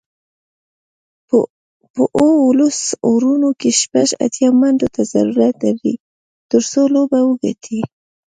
په اوولس اورونو کې شپږ اتیا منډو ته ضرورت لري، ترڅو لوبه وګټي